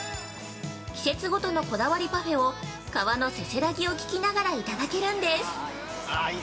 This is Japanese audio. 季節ごとのこだわりパフェを川のせせらぎを聞きながらいただけるんです。